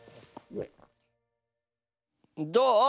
どう？